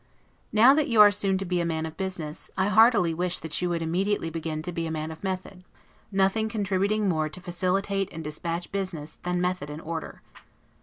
Now that you are to be soon a man of business, I heartily wish that you would immediately begin to be a man of method; nothing contributing more to facilitate and dispatch business, than method and order.